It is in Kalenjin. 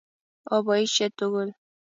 Oboisie tugul